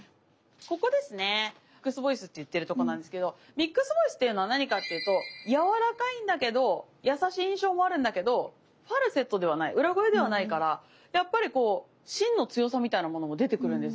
ここですねミックスボイスって言ってるとこなんですけどミックスボイスっていうのは何かっていうとやわらかいんだけど優しい印象もあるんだけどファルセットではない裏声ではないからやっぱりこうしんの強さみたいなものも出てくるんですよね。